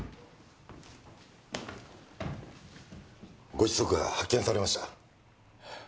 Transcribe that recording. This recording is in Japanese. ご子息が発見されました。